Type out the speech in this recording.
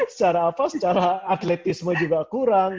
secara apa secara atletisme juga kurang